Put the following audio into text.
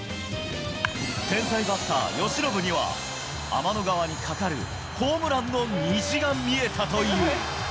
天才バッター、由伸には、天の川に架かるホームランの虹が見えたという。